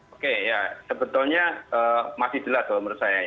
oke yah sebetulnya masih jelas loh menurut saya